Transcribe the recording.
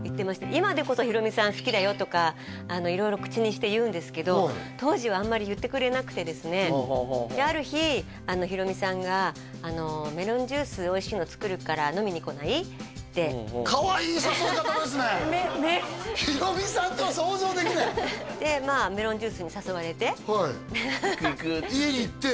今でこそヒロミさん「好きだよ」とか色々口にして言うんですけど当時はあんまり言ってくれなくてですねである日ヒロミさんが「メロンジュースおいしいの作るから飲みに来ない？」ってですねヒロミさんとは想像できないでまあメロンジュースに誘われてはい家に行って？